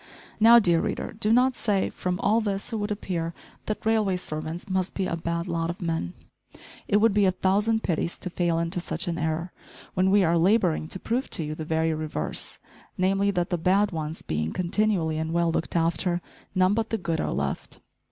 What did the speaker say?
Now, dear reader, do not say, "From all this it would appear that railway servants must be a bad lot of men!" It would be a thousand pities to fail into such an error, when we are labouring to prove to you the very reverse, namely, that the bad ones being continually and well "looked after," none but the good are left.